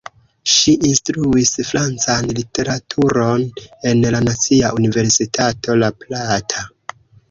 Ŝi instruis francan literaturon en la Nacia Universitato La Plata.